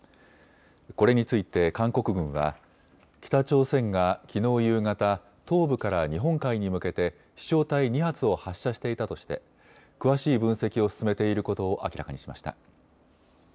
これについて韓国軍は北朝鮮がきのう夕方、東部から日本海に向けて飛しょう体２発を発射していたとして詳しい分析を進めていることを明らかにしました。